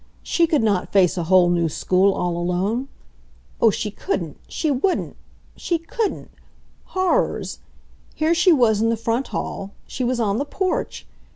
She could not face a whole new school all alone—oh, she couldn't, she wouldn't! She couldn't! Horrors! Here she was in the front hall—she was on the porch!